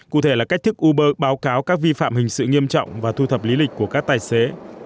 cụ thể là cách thức uber báo cáo các vi phạm hình sự nghiêm trọng và thu thập lý lịch của các tài xế